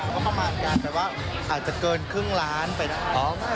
ก็ประมาณการแบบว่าอาจจะเกินครึ่งล้านไปได้